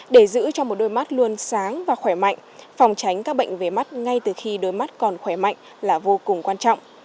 để giữ cho một đôi mắt luôn sáng và khỏe mạnh phòng tránh các bệnh về mắt ngay từ khi đôi mắt còn khỏe mạnh là vô cùng quan trọng